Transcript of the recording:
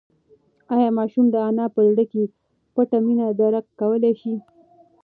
ایا ماشوم د انا په زړه کې پټه مینه درک کولی شي؟